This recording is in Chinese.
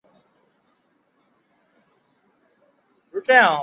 邹永煊长子。